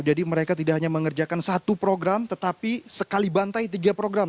jadi mereka tidak hanya mengerjakan satu program tetapi sekali bantai tiga program